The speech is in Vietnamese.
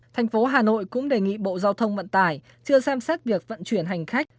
thành phố hà nội cũng đề nghị bộ giao thông vận tải chưa xem xét việc vận chuyển hành khách